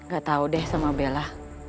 gak tau deh sama bella